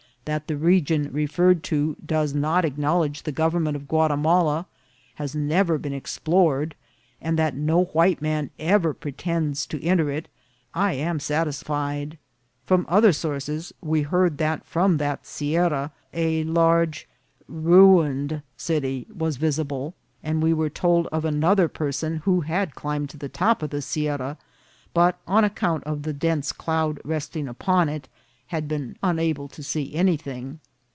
That the region referred to does not acknowledge the government of Guatimala, has never been explored, and that no white man ever pretends to enter it, I am satisfied. From other sour ces we heard that from that sierra a large ruined city was visible, and we were told of another person who had climbed to the top of the sierra, but, on account of A FIELD FOR FUTURE ENTERPRISE. 197 the dense cloud resting upon it, had been unable to see anything.